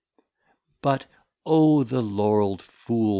But, O, the Laurel'd Fool!